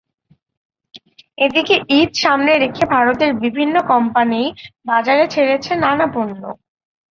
এদিকে ঈদ সামনে রেখে ভারতের বিভিন্ন কোম্পানি বাজারে ছেড়েছে নানা পণ্য।